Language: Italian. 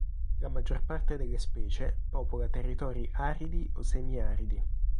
La maggior parte delle specie popola territori aridi o semi-aridi.